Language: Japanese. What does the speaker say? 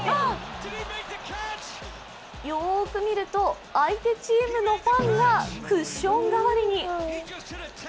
よーく見ると、相手チームのファンがクッション代わりに。